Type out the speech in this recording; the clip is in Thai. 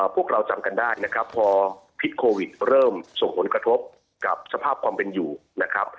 พวกเราจำกันได้นะครับพอพิษโควิดเริ่มส่งผลกระทบกับสภาพความเป็นอยู่นะครับ